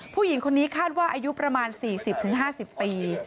ผู้หญิงคนนี้คาดว่าอายุประมาณ๔๐๕๐ปี